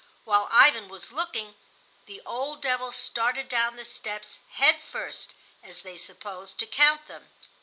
While Ivan was looking, the old devil started down the steps head first—as they supposed, to count them.